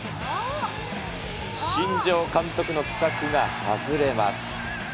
新庄監督の奇策が外れます。